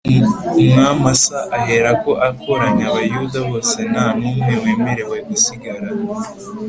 Umwami Asa aherako akoranya Abayuda bose nta n’umwe wemerewe gusigara